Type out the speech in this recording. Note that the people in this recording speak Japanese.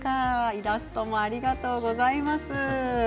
イラストもありがとうございます。